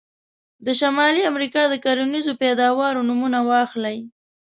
د شمالي امریکا د کرنیزو پیداوارو نومونه واخلئ.